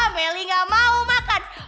meli gak mau makan